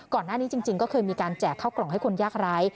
ก่อนหน้านี้จริงก็เคยมีการแจกเข้ากล่องให้คนยากร้าย